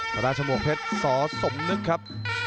สุดท้ายชมวกเพชรสสมนึกครับ